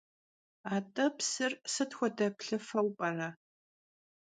At'e psır sıt xuede plhıfeu p'ere?